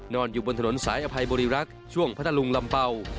อยู่บนถนนสายอภัยบริรักษ์ช่วงพัทธลุงลำเป่า